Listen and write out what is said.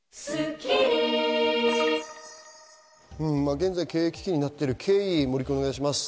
現在、経営危機になっている経緯をお願いします。